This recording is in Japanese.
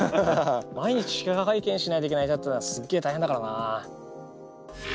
毎日記者会見しないといけないなっていうのはすっげえ大変だからな。